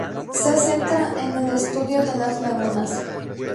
Se centra en el estudio de las lagunas.